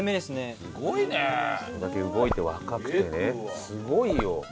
すごいよ。